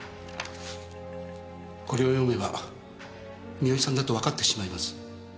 これを読めば三好さんだとわかってしまいます。